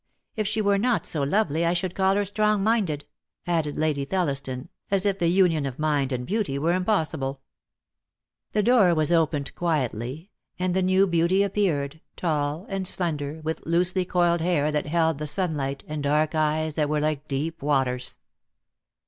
If she were not so lovely I should call her strong minded," added Lady Thelliston, as if the union of mind and beauty were impossible. The door was opened quietly, and the new DEAD LOVE HAS CHAINS. (I49 beauty appeared, tall and slender, with loosely coiled hair that held the sunlight, and dark eyes that were like deep waters.